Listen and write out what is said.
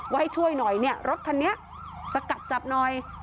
ให้ช่วยหน่อยเนี่ยรถคันนี้สกัดจับหน่อย